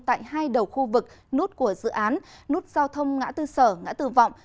tại hai đầu khu vực nút của dự án nút giao thông ngã tư sở ngã tư vọng